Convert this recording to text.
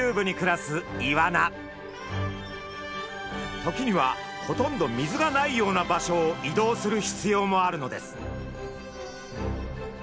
時にはほとんど水がないような場所を移動する必要もあるのです。